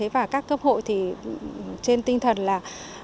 và các cơ hội trên tinh thần là